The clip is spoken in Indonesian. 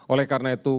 oleh karena itu